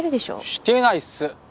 してないっす！